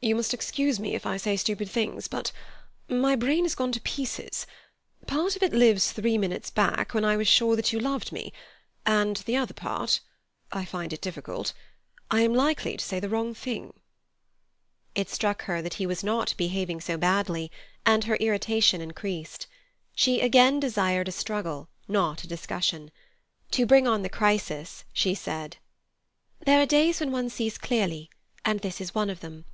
"You must excuse me if I say stupid things, but my brain has gone to pieces. Part of it lives three minutes back, when I was sure that you loved me, and the other part—I find it difficult—I am likely to say the wrong thing." It struck her that he was not behaving so badly, and her irritation increased. She again desired a struggle, not a discussion. To bring on the crisis, she said: "There are days when one sees clearly, and this is one of them.